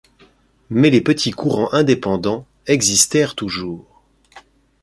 Mais les petits courants indépendants existèrent toujours.